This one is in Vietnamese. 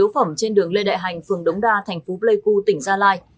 yếu phẩm trên đường lê đại hành phường đống đa thành phố pleiku tỉnh gia lai